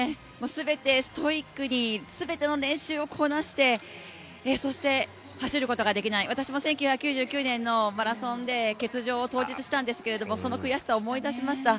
全てストイックに全ての練習をこなして、そして走ることができない私も１９９９年のマラソンで欠場を当日したんですけれども、その悔しさを思い出しました。